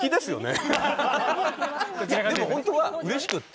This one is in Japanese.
でも本当はうれしくて。